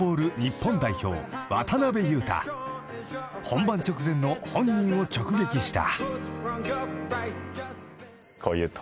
［本番直前の本人を直撃した］